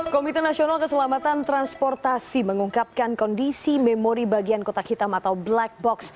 komite nasional keselamatan transportasi mengungkapkan kondisi memori bagian kotak hitam atau black box